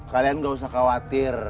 kalian gak usah khawatir